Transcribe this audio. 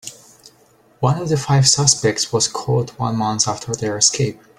One of the five suspects was caught one month after their escape.